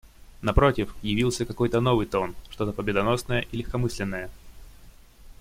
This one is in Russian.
Напротив, явился какой-то новый тон, что-то победоносное и легкомысленное.